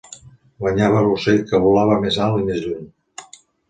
Guanyava l'ocell que volava més alt i més lluny.